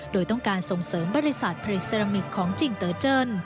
โดยต้องการส่งเสริมบริษัทผลิตเซรามิกของจิงเตอร์เจิ้น